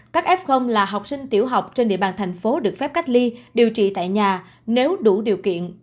các f là học sinh tiểu học trên địa bàn thành phố được phép cách ly điều trị tại nhà nếu đủ điều kiện